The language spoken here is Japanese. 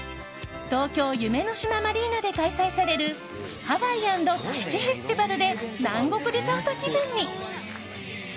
東京夢の島マリーナで開催されるハワイ＆タヒチフェスティバルで南国リゾート気分に。